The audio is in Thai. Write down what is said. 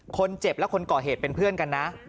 คนเจ็บและคนก่อเหตุเป็นเพื่อนกันนะ